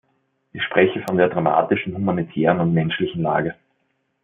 Ich spreche von der dramatischen humanitären und menschlichen Lage.